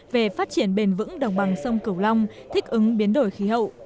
về phát triển bền vững đồng bằng sông cửu long thích ứng biến đổi khí hậu